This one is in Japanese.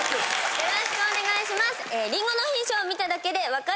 よろしくお願いします。